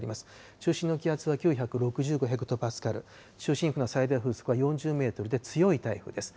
中心の気圧は９６５ヘクトパスカル、中心付近の最大風速は４０メートルで強い台風です。